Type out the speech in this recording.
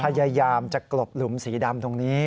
พยายามจะกลบหลุมสีดำตรงนี้